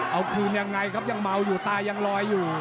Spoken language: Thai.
เอาคืนยังไงครับยังเมาอยู่ตายังลอยอยู่